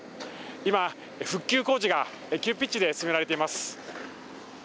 今、復旧工事が急ピッチで進められています。